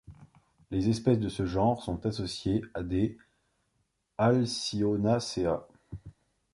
Les espèces de ce genre sont associées à des Alcyonacea.